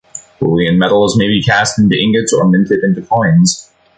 Bullion metals may be cast into ingots or minted into coins.